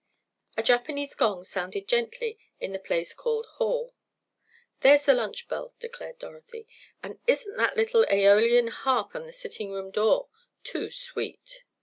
A Japanese gong sounded gently in the place called hall. "There's the lunch bell," declared Dorothy. "And isn't that little Aeolian harp on the sitting room door too sweet!"